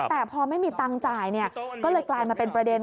แต่พอไม่มีตังค์จ่ายก็เลยกลายมาเป็นประเด็น